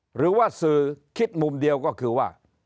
หรือว่าสื่อคิดมุมเดียวก็คือว่า